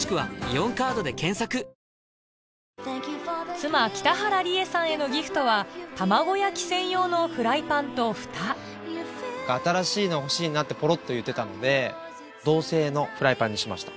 妻北原里英さんへのギフトは卵焼き専用のフライパンとふた「新しいの欲しいな」ってポロっと言ってたので銅製のフライパンにしました。